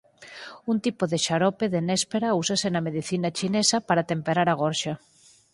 Un tipo de xarope de néspera úsase na medicina chinesa para temperar a gorxa.